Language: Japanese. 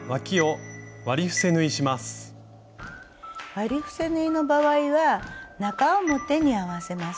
割り伏せ縫いの場合は中表に合わせます。